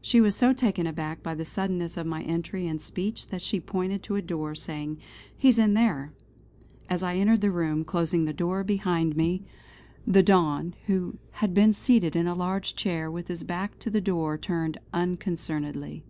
She was so taken aback by the suddenness of my entry and speech that she pointed to a door saying: "He is in there." As I entered the room, closing the door behind me, the Don, who had been seated in a large chair with his back to the door turned unconcernedly.